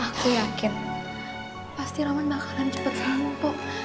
aku yakin pasti roman bakalan cepet sama lo pak